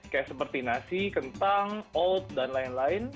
kayak seperti nasi kentang oat dan lain lain